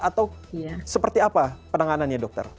atau seperti apa penanganannya dokter